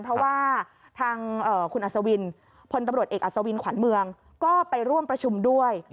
เพราะว่าทางคุณอัศวินพลตำรวจเอกอัศวินขวัญเมืองก็ไปร่วมประชุมด้วย